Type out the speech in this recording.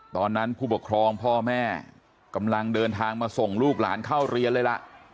ผู้ปกครองพ่อแม่กำลังเดินทางมาส่งลูกหลานเข้าเรียนเลยล่ะ